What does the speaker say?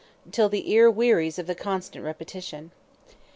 until the ear wearies of the constant repetition.